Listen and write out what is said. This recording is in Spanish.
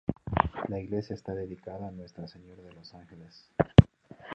La iglesia está dedicada a Nuestra Señora de los Ángeles.